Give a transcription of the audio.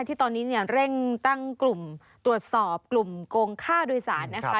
ที่ตอนนี้เนี่ยเร่งตั้งกลุ่มตรวจสอบกลุ่มโกงค่าโดยสารนะคะ